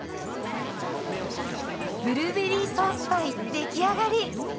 ブルーベリーソースパイ出来上がり。